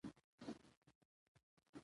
طبیعي زیرمې د افغانستان د بشري فرهنګ برخه ده.